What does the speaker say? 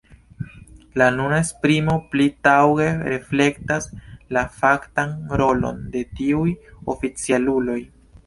La nuna esprimo pli taŭge reflektas la faktan rolon de tiuj oficialuloj.